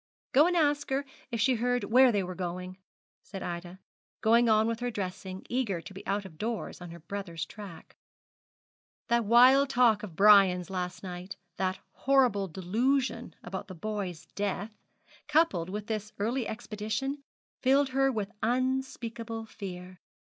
'Go and ask her if she heard where they were going,' said Ida, going on with her dressing, eager to be out of doors on her brother's track. That wild talk of Brian's last night that horrible delusion about the boy's death coupled with this early expedition, filled her with unspeakable fear.